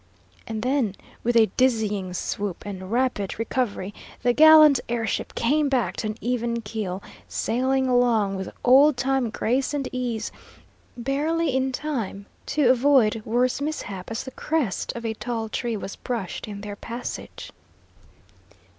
And then, with a dizzying swoop and rapid recovery, the gallant air ship came back to an even keel, sailing along with old time grace and ease, barely in time to avoid worse mishap as the crest of a tall tree was brushed in their passage.